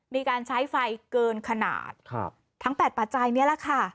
มีการใช้ไฟเกินขนาดครับทั้งแปดปัจจัยนี้แหละค่ะ